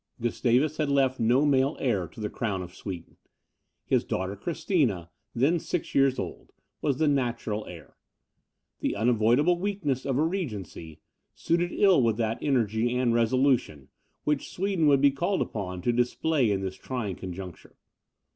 Gustavus had left no male heir to the crown of Sweden: his daughter Christina, then six years old, was the natural heir. The unavoidable weakness of a regency, suited ill with that energy and resolution, which Sweden would be called upon to display in this trying conjuncture.